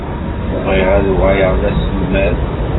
Bɣiɣ ad uɣaleɣ d aselmad.